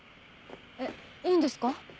えっいいんですか？